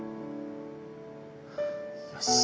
よし。